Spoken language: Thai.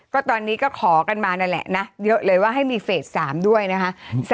ก็ตอนนี้ก็ขอกันมานั่นแหละนะเยอะเลยว่าให้มีเฟส๓ด้วยนะคะ